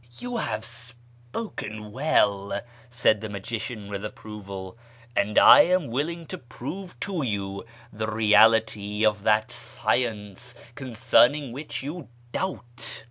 " You have spoken well," said the magician with approval, " and I am willing to prove to you the reality of that science concerning which you doubt.